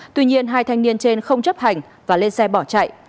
tuy nhiên hai thanh niên trên không chấp hành và lên xe bỏ chạy